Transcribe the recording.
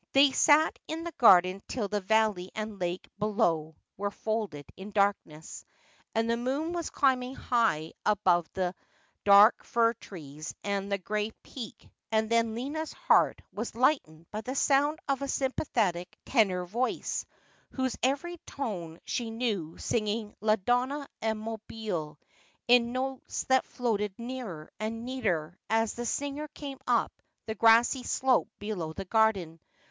They sat in the garden till the valley and lake below were folded in darkness, and the moon was climbing high above the dark fir trees and the gray peak, and then Lina's heart was lightened by the sound of a sympathetic tenor voice, whose every tone she knew, singing La Donna e mohile, in notes that floated nearer and nearer as the singer came up the grassy slope below the garden.